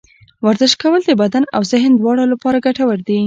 ورزش کول د بدن او ذهن دواړه لپاره ګټور دي.